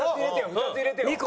２つ入れてよ。